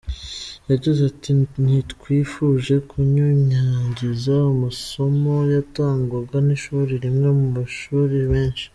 Yagize ati “Ntitwifuje kunyanyagiza amasomo yatangwaga n’ishuri rimwe mu mashuri menshi.